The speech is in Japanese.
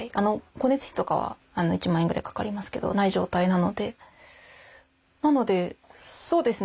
光熱費とかは１万円ぐらいかかりますけどない状態なので。